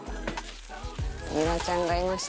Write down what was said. ニラちゃんがいました。